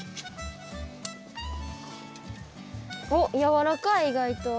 おっやわらかい意外と。